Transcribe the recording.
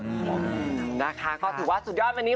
ขอบคุณมากค่ะขอถือว่าสุดยอดวันนี้